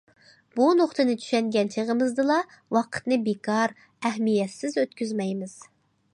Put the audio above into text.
بۇ نۇقتىنى چۈشەنگەن چېغىمىزدىلا، ۋاقىتنى بىكار، ئەھمىيەتسىز ئۆتكۈزمەيمىز.